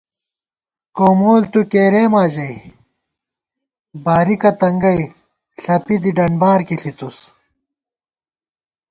کومول تو کېرېما ژَئی، بارِکہ تنگَئ ݪپی دی ڈنبار کی ݪِتُس